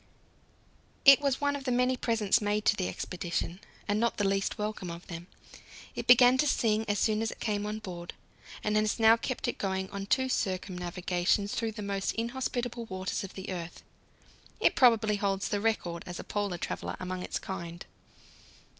It was one of the many presents made to the expedition, and not the least welcome of them. It began to sing as soon as it came on board, and has now kept it going on two circumnavigations through the most inhospitable waters of the earth. It probably holds the record as a Polar traveller among its kind.